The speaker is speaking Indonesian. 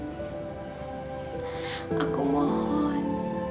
ya allah aku mohon